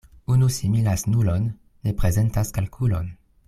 Unu similas nulon, ne prezentas kalkulon.